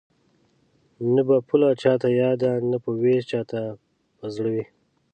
نه به پوله چاته یاده نه به وېش چاته په زړه وي